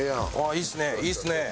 いいっすねいいっすね！